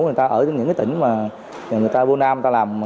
người ta ở những cái tỉnh mà người ta vô nam người ta làm